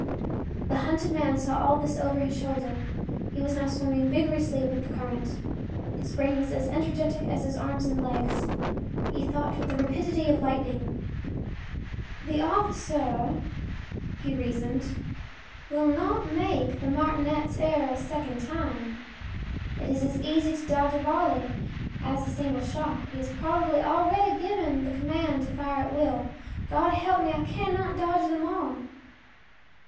The hunted man saw all this over his shoulder; he was now swimming vigorously with the current. His brain was as energetic as his arms and legs; he thought with the rapidity of lightning: “The officer,” he reasoned, “will not make that martinet’s error a second time. It is as easy to dodge a volley as a single shot. He has probably already given the command to fire at will. God help me, I cannot dodge them all!